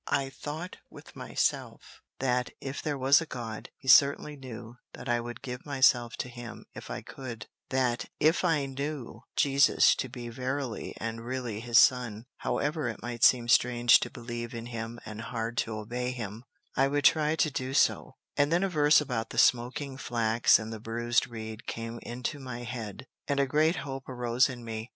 I thought with myself, that, if there was a God, he certainly knew that I would give myself to him if I could; that, if I knew Jesus to be verily and really his Son, however it might seem strange to believe in him and hard to obey him, I would try to do so; and then a verse about the smoking flax and the bruised reed came into my head, and a great hope arose in me.